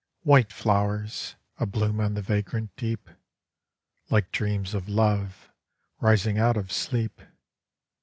White flowers, a bloos on the vagrant deep, Like dreams of love, rising out of sleep.